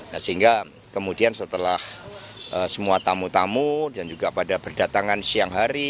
nah sehingga kemudian setelah semua tamu tamu dan juga pada berdatangan siang hari